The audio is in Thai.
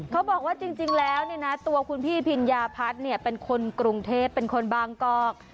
เขาบอกว่าจริงแล้วเนี่ยนะตัวคุณพี่พิญญาพัฒน์เป็นคนกรุงเทพเป็นคนบางกอก